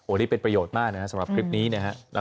โอ๊ยนี่เป็นประโยชน์มากนะฮะสำหรับคลิปนี้นะฮะ